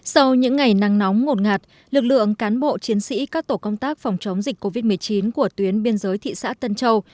sau những ngày nắng nóng ngột ngạt lực lượng cán bộ chiến sĩ các tổ công tác phòng chống dịch covid một mươi chín của tuyến biên giới thị xã tân châu